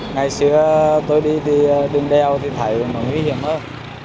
ngày xưa tôi đi thì đường đèo thì thấy nó nguy hiểm hơn